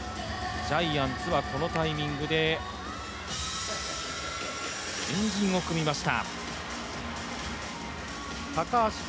ジャイアンツはこのタイミングで円陣を組みました。